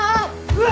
うわ！